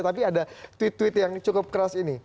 tapi ada tweet tweet yang cukup keras ini